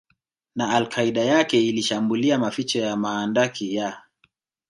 na Al Qaeda yake ilishambulia maficho ya mahandaki ya